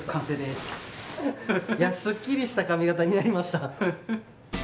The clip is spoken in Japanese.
すっきりした髪型になりました。